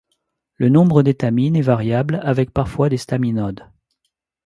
Le nombre d'étamines est variable, avec parfois des staminodes.